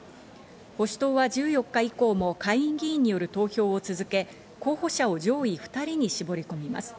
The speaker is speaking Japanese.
保守党は１４日以降も下院議員による投票を続け、候補者を上位２人に絞り込みます。